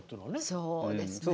そうですね。